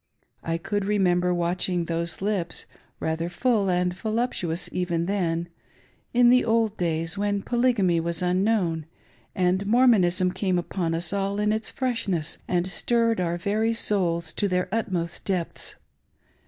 I could re member watching those lips — rather full and voluptuous even then — in the old days when Polygamy was unknown and Morrtionism came upon us in all its freshness and stirred our very souls to their utmost depths.